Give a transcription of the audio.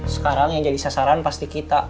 sekarang yang jadi sasaran pasti kita